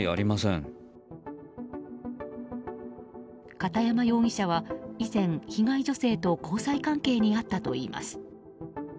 片山容疑者は以前、被害女性と交際関係にあったといいます。